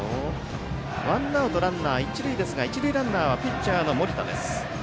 ワンアウトランナー、一塁ですが一塁ランナーはピッチャーの盛田です。